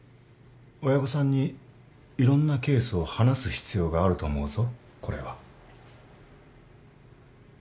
親御さんにいろんなケースを話す必要があると思うぞこれは。